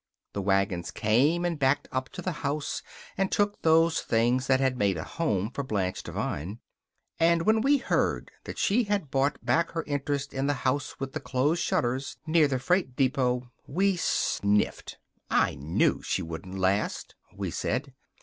The wagons came and backed up to the house and took those things that had made a home for Blanche Devine. And when we heard that she had bought back her interest in the House with the Closed Shutters, near the freight depot, we sniffed. "I knew she wouldn't last!" we said.